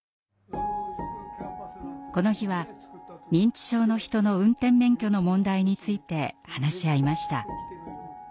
この日は認知症の人の運転免許の問題について話し合いました。